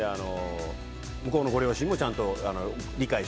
向こうのご両親もちゃんと理解し